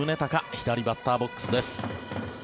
左バッターボックスです。